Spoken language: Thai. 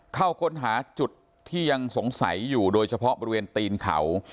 เข้าค้นหาจุดที่ยังสงสัยอยู่โดยเฉพาะบริเวณตีนเขา